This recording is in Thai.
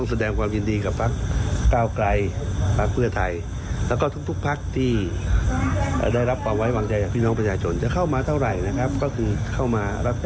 อันนี้ความที่จะร่วมกับสบายจากหน้าไทยไหมครับ